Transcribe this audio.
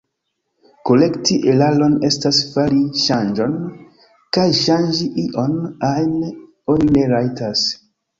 Korekti eraron estas fari ŝanĝon, kaj ŝanĝi ion ajn oni ne rajtas.